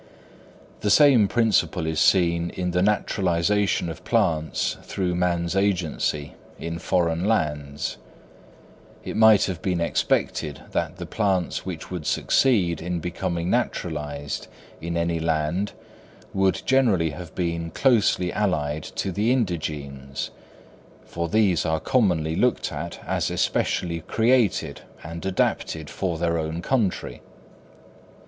The same principle is seen in the naturalisation of plants through man's agency in foreign lands. It might have been expected that the plants which would succeed in becoming naturalised in any land would generally have been closely allied to the indigenes; for these are commonly looked at as specially created and adapted for their own country.